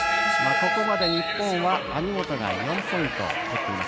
ここまで日本は網本が４ポイント。